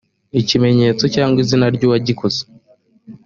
ikimenyetso cyangwa izina ry uwagikoze